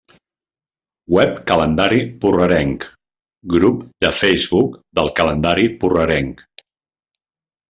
Web Calendari Porrerenc, Grup de Facebook del Calendari Porrerenc.